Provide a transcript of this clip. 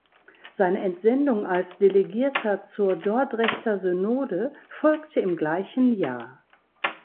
Seine Entsendung als Delegierter zur Dordrechter Synode folgte im gleichen Jahr.